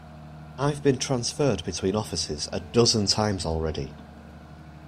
I've been transferred between offices a dozen times already.